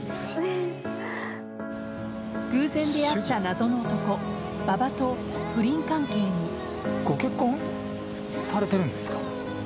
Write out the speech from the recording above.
偶然出会った謎の男、馬場とご結婚されてるんですか？